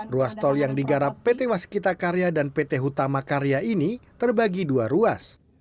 ruas tol yang digarap pt waskita karya dan pt hutama karya ini terbagi dua ruas